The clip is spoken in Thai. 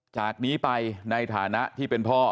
จากนี้ไปในฐานะที่เป็นพ่อ